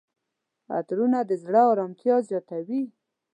عطرونه د زړه آرامتیا زیاتوي.